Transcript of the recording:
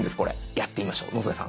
やってみましょう野添さん。